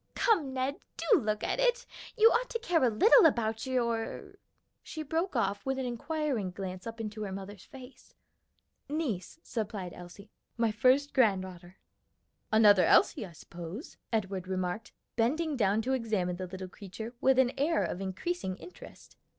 "Come, Ned, do look at it. You ought to care a little about your " She broke off with an inquiring glance up into her mother's face. "Niece," supplied Elsie, "my first granddaughter." "Another Elsie, I suppose," Edward remarked, bending down to examine the little creature with an air of increasing interest.